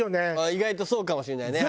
意外とそうかもしれないね。